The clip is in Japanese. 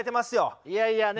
いやいやね